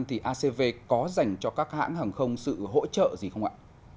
thì acv có dành cho các hãng hàng không sự hỗ trợ gì không ạ